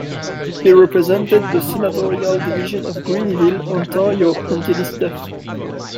He represented the senatorial division of Grenville, Ontario until his death.